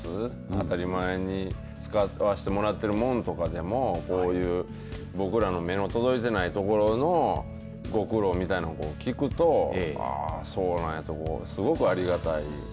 当たり前に使わせてもらっているもんとかでも僕らの目の届いていないところのご苦労みたいなのを聞くとああそうなんやとすごくありがたい。